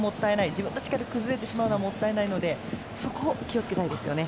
自分たちから崩れてしまうのはもったいないのでそこを気をつけたいですよね。